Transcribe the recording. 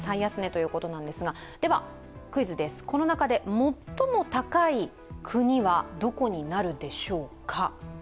クイズです、この中で最も高い国はどこになるでしょうか。